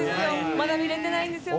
まだ見れてないんですよね。